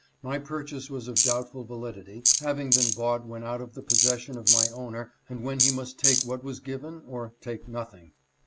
My purchase was of doubtful validity, having been bought when out of the possession of my owner and when he must take what was given or take nothing.